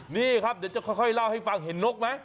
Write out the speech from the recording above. นี่ครับเดี๋ยวจะค่อยเล่าให้ฟังเห็นนกไหม